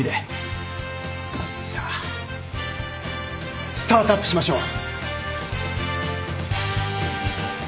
さあスタートアップしましょう！